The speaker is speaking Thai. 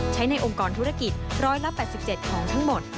ใช้ในองค์กรธุรกิจ๑๘๗ของทั้งหมด